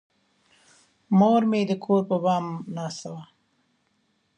مور مې د کور پر بام ناسته وه.